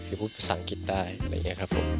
คือพูดภาษาอังกฤษได้